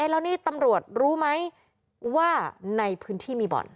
แล้วนี่ตำรวจรู้ไหมว่าในพื้นที่มีบ่อน